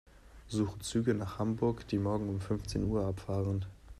Suche Züge nach Hamburg, die morgen um fünfzehn Uhr abfahren.